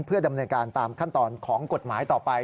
เพื่อดำเนินการตามขั้นตอนของกฎหมายต่อไป